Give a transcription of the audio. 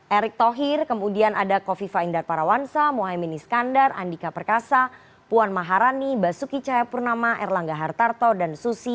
erick thohir kemudian ada kofifa indar parawansa mohaimin iskandar andika perkasa puan maharani basuki cahayapurnama erlangga hartarto dan susi